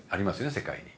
世界に。